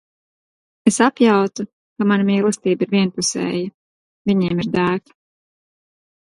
Es apjautu, ka mana mīlestība ir vienpusēja. Viņiem ir dēka.